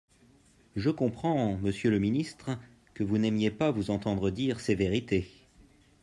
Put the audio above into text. Je comprends, monsieur le ministre, que vous n’aimiez pas vous entendre dire ces vérités.